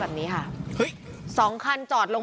แซ็คเอ้ยเป็นยังไงไม่รอดแน่